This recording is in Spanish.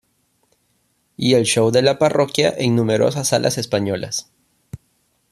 Y "El Show de la Parroquia" en numerosas salas españolas.